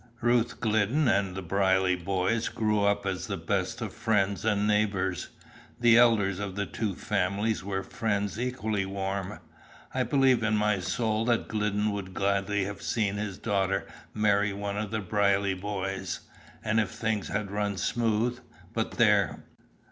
"Ruth Glidden and the Brierly boys grew up as the best of friends and neighbours. The elders of the two families were friends equally warm. I believe in my soul that Glidden would gladly have seen his daughter marry one of the Brierly boys. And if things had run smooth but there!